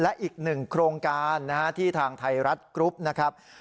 และอีกหนึ่งโครงการที่ทางไทยรัฐกรุ๊ปนะครับ